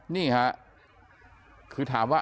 นี่ค่ะคือถามว่า